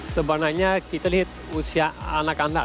sebenarnya kita lihat usia anak anak